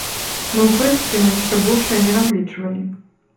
Мы ў прынцыпе на нешта большае не разлічвалі.